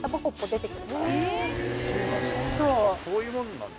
そういうもんなんだ。